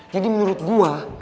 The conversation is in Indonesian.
jadi menurut gue